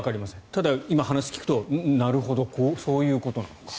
ただ、今、話を聞くとなるほど、そういうことかと。